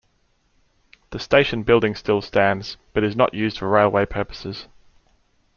The station building still stands, but is not used for railway purposes.